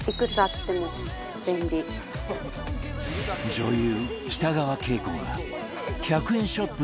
女優北川景子が１００円ショップ